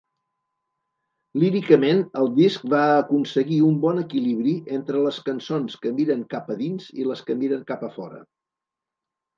Líricament, el disc va aconseguir un bon equilibri entre les cançons que miren cap a dins i les que miren cap a fora.